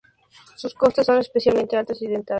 Sus costas son especialmente altas y dentadas.